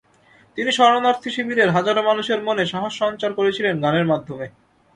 তিনি শরণার্থী শিবিরের হাজারো মানুষের মনে সাহস সঞ্চার করেছিলেন গানের মাধ্যমে।